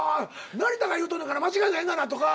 「成田が言うとんねんから間違いないがな」とか。